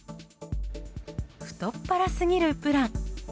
太っ腹すぎるプラン。